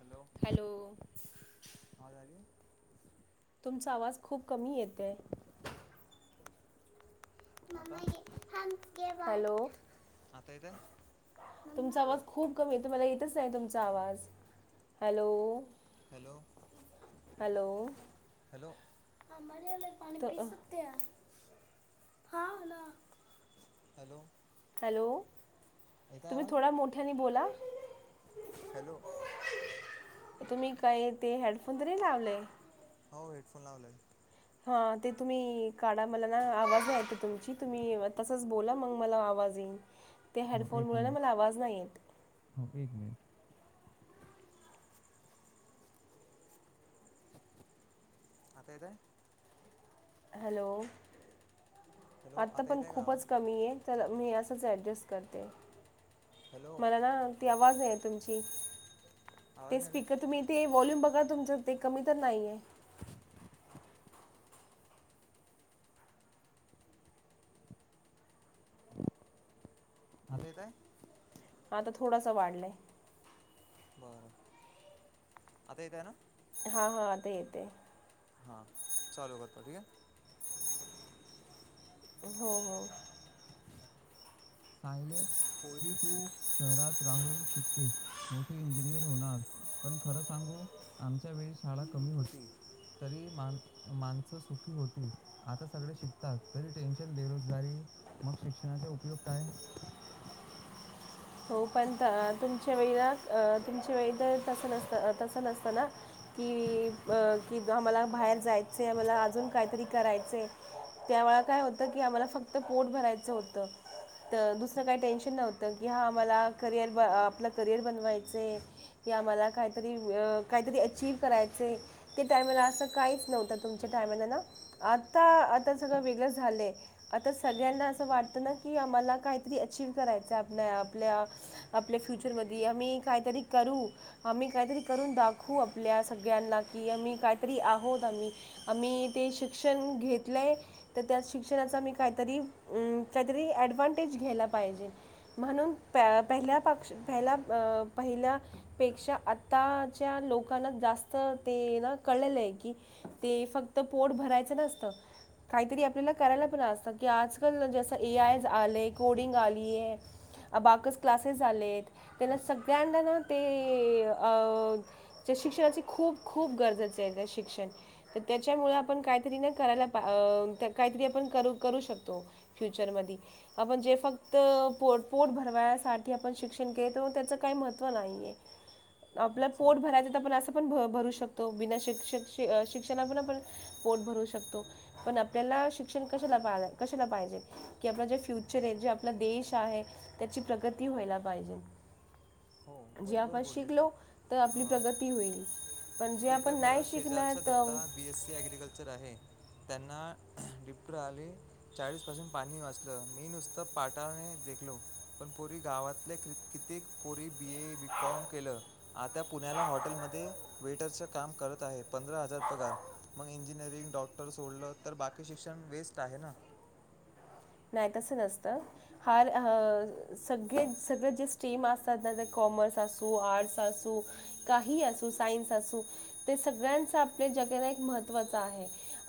Hello! Hello! [unintelligible] तुमचा आवाज खूप कमी येतोय. आता? हॅलो! आता येतोय? तुमचा आवाज खूप कमी येतोय, मला येतच नाही तुमचा आवाज, हैलो! Hello hello! हॅलो आमाला याला पाणी बी सुटत्या, हा ना. हॅलो! हॅलो! येत आहे तुम्ही आवाज थोडा मोठ्यानी बोला. हॅलो तुम्ही काय अ ते हेडफोन तरी लावले हो हेडफोन लावले. हा ते तुम्ही काढा मला ना आवाज येत तुमची तुम्ही, तसंच बोला मगं मला आवाज येईल. त्या हो एक हेडफोनमुळे ना मला मिनिट आवाज नाहीे येत. हो एक मिनिट. आता येतोय? हॅलो! हॅलो आता येत पण आहे का आवाज खूपच कमी ये. चला मी असंच ॲडजस्ट करते, हॅलो मला ना ती आवाज आहे तुमची आवाज ते नाही येत स्पीकर आहे तुम्ही ते वॉल्यूम बघा तुमचं ते कमी तर नाहीये? आता येतयं? आता थोडासा वाढलायं. बरं, आता येतयं नां? हां -हां आता येतेय. हां. चालू करतो ठीकये. हो हो हो. सायले, पोरी तू शहरात राहून शिकतेस. मो इंजिनियर होणार, पण खरं सांगू आमच्या वेळी शाळा कमी होती. तरी मान माणसं सुखी होती. आता सगळे शिकतात. तरी टेन्शन, बेरोजगारी मग शिक्षणाचे उपयोग काय? [inaudible] हो, पण तुमच्या वेळी ना, अ तुमच्या वेळी तर तसं नसतं तसं नसत ना. कि अ कि आम्हाला बाहेर जायचंय, मला अजून काहीतरी करायचय. त्यावेळा काय होतं की, आम्हाला फक्त पोट भरायचं होतं. त दुसरं काही टेन्शन नव्हतं. की हा मला करियर आपलं करियर बनवायचंय. कि आम्हाला काहीतरी अ काहीतरी अचीव करायचयं. ते टायमाला असं काहीच नव्हतं, तुमच्या टायमाला ना, आता आता सगळं वेगळं झालंय. आता सगळ्यांना असं वाटतं ना की, आम्हाला काहीतरी अचीव करायचं आपन्या आपल्या आपल्या फ्युचरमधी आम्ही काहीतरी करू. आम्ही काहीतरी करून दाखवू आपल्या सगळ्यांना, कि आम्ही काहीतरी आहोत आम्ही आम्ही ते शिक्षण घेतलंय तर त्या शिक्षणाचा मी काहीतरी, अं काहीतरी ऍडव्हांटेज घ्यायला पाहिजे. म्हणून प पहिल्या पक्ष पहिला अ पहिल्या पेक्षा आताच्या लोकांना जास्त ते ना कळलंय की ती फक्त पोट भरायचं नसतं. काहीतरी आपल्याला करायला पण असतं. की आजकाल जसं ए आय आलंय कोडिंग आलीये अबाकस क्लासेस झालेत. त्यांना सगळ्यांंदा ना ते अ त्या शिक्षणाचे खूप खूप गरजेचे आहे. ते शिक्षण त्याच्यामुळे आपण काहीतरी ना करायला, अ काहीतरी आपण करू करू शकतो. फ्युचर मधी. आपण जे फक्त पो पोट भरवायासाठी आपण शिक्षण घेतो. त्याचं काही महत्त्व नाहीये. [inaudible] आपलं अच्छा पोट भरायचं तर पण अस पण भ भरू शकतो. बिना शिक्ष शिक्ष अ शिक्षणा आपण पोट भरू शकतो. पण आपल्याला शिक्षण कशाला पा कशाला पाहिजे? कि आपलं जे फ्युचर आहे, जे आपला देश आहे, त्याची प्रगती व्हायला पाहिजे. हो जे बरोबर आपण बोललीस शिकलो, तू तर आपली अं, प्रगती होईल. पण जे ते आपण तर नाही खरं शिकणार शेजारच्या तर Datta B S C agriculture आहे, त्यांना डिप्टर आले चाळीस पासून पाणी वाचलं, मी नुसतं पाटाने देखलो. पण पोरी गावातले क कित्येक पोरी बी ए बी कॉम केलं. आता पुण्याला हॉटेलमध्ये वेटरच काम करत आहे, पंधरा हजार पगार. मग इंजिनिअरिंग, डॉक्टर सोडलं तर बाकी शिक्षण वेस्ट आहे ना. नाही तस नसतं. हार अ सगळे सगळे जे स्ट्रीम असतात ना कॉमर्स असो आर्ट्स असो काही असो सायन्स असो ते सगळ्यांच आपल्या जगाला एक महत्त्वाच आहे.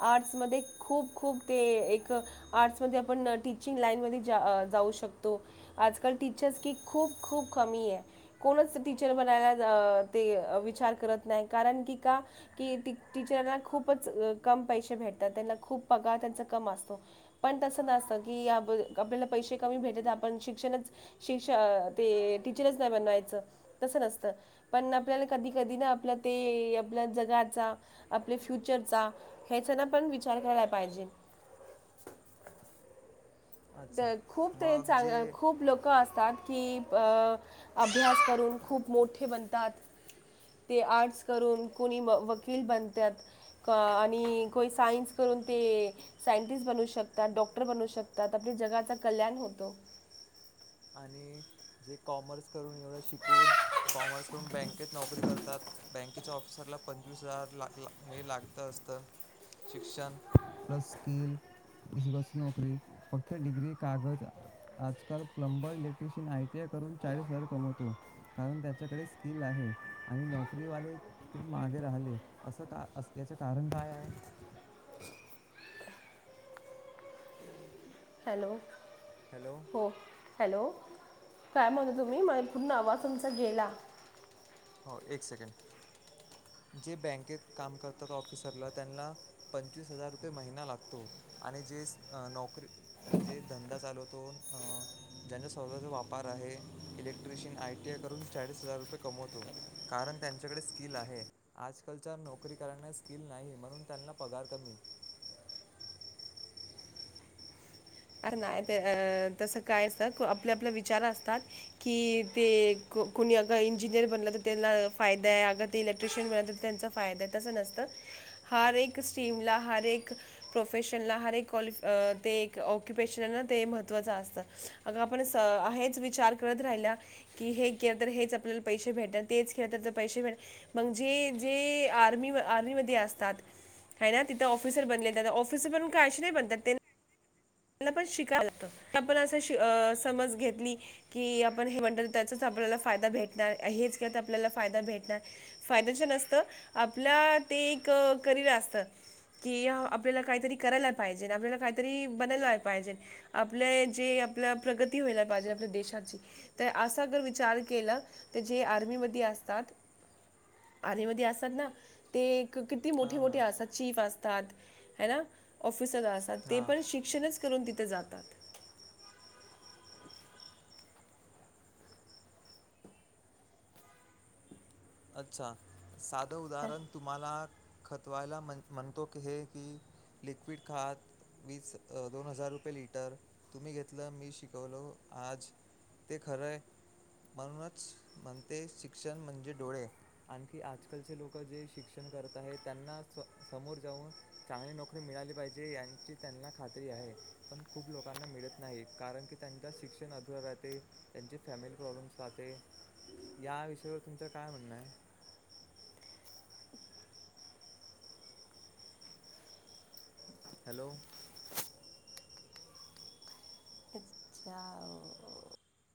आर्टसमध्ये खूप खूप ते एक आर्ट्स मध्ये आपण टीचिंग लाईन मध्ये जा जाऊ शकतो. आजकाल टीचर्स की खूप खूप कमीये कोणच टीचर बनायला, ते विचार करत नाही कारण की का की टी टीचरांना खूपच कम पैसे भेटतात त्यांना खूप पगार त्यांचा कम असतो. पण तसं नसतं की आप आपल्याला पैसे कमी भेटतं आपण शिक्षणच शिक्षा ते टीचरच नाही बनवायचं तस नसतं. पण आपल्याला कधी कधी ना आपल्या ते आपल्या जगाचा आपल्या फ्युचरचा ह्याच ना पण विचार करायला पाहिजे. अच्छा तिथ खूप ते मग चांगल जे खूप लोक ल असतात की अभ्यास करून खूप मोठे बनतात. ते आर्ट्स करून कोणी व वकील बनत्यात. आणि कुणी सायन्स करून ते सायंटिस्ट बनू शकतात डॉक्टर बनू शकतात. अखिल जगाच कल्याण होत. आणि जे कॉमर्स करून एवढं शिकून कॉमर्स करून बँकेत नोकरी करत. बँकेच्या ऑफिसरला पंचवीस हजार ला लागतं असतं. शिक्षण प्लस स्कील नोकरी फक्त डिग्री कागज आजकाल plumber electrician I T I करून चाळीस हजार कमवतो. कारण त्याच्याकडे स्किल आहे आणि नोकरीवाले ते मागे राहिले असं का याच कारण काय आहे. हॅलो हॅलो हो हॅलो काय म्हणत तुम्ही मधंन पूर्ण आवाज तुमचा गेला. हो एक सेकंद जे बँकेत काम करतात ऑफिसरला त्यांना पंचवीस हजार रुपये महिना लागतो आणि जे नोकरी जे धंदा चालवतो अं ज्यांचा स्वतःचा व्यापार आहे इलेक्ट्रिशियन आयटीआय करून चाळीस हजार रुपये कमवतो. कारण त्यांच्याकडे स्किल आहे. आजकालच्या नोकरी करन्यास स्किल नाही म्हणून त्यांना पगार कमी. अरे नाही तर तसं काय अस आपले आपले विचार असतात. कि ते कोणी अग इंजिनियर बनलं तर त्याला फायदा आहे अग इलेक्ट्रिशियन बनल तर त्यांचा फायदा आहे तस नसतं. हर एक स्ट्रीम ला हर एक प्रोफेशन ला हर एक क्वालिफ ते एक ओ ऑक्युपेशन आहे ना ते महत्त्वाचं असतं अग आपण स हेच विचार करत राहिला कि हे केलं तर हेच आपल्याला पैसे भेटल तेच केलं तर पैसे भेटल मग जे जे आर्मी आर्मी मध्ये असतात. हाय ना तिथ ऑफिसर बनले ऑफिसर पण काय अशे नाही बनतात ते त्यांना पण शिकाय लागतं, आपण असं श समज घेतली. कि आपण हे म्हणतात त्याचाच आपल्याला फायदा भेटणार हेच केल तर आपल्याला फायदा भेटणार. फायद्याच्या नसतं आपल्या ते एक करिअर असत. कि आपल्याला काहीतरी करायला पाहिजे आणि आपल्याला काहीतरी बनायला पाहिजे आपल्या जे आपल्या प्रगती व्हायला पाहिजे आपल्या देशाची असा जर विचार केला तर जे आर्मीमध्ये असतात. आर्मी मध्यी असतात ना ते एक किती मोठे हां मोठे हां असतात चीफ असतात हा ना ऑफिसर असात ते हां पण शिक शिक्षणच करून तिथे जातात. अच्छा साधं उदाहरण तुम्हाला खतवाला मन म्हणतो की हे की लिक्विड खात वीस दोन हजार रुपये लिटर तुम्ही घेतल मी शिकवल आज. ते खरय म्हणूनच म्हणते शिक्षण म्हणजे डोळे, आणखी आजकालचे लोक जे शिक्षण करत आहेत त्यांना समोर जाऊन चांगली नोकरी मिळाली पाहिजे यांची त्यांना खात्री आहे. पण खूप लोकांना मिळत नाही. कारण की त्यांच शिक्षण अधुर राहते. त्यांचे फॅमिली प्रॉब्लेम्स राहते. या विषयावर तुमच काय म्हणण आहे. हॅलो जाओ